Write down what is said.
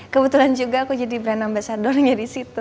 kebetulan juga aku jadi brand ambasadornya disitu